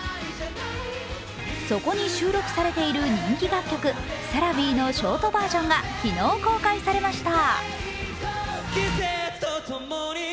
そこに収録されている人気楽曲「セラヴィ」のショートバージョンが昨日、公開されました。